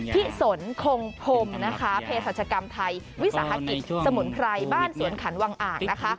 ที่ศลโคงพรมเพศสาชกรรมไทยวิสาหกิตสมุนไพรบ้านเศรียญขันวางอ่าก